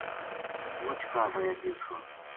مُچ کاہڈ رہ گیو تھو